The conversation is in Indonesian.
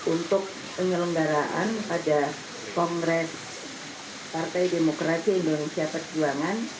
untuk pengelenggaraan pada kongres partai demokrasi indonesia pertama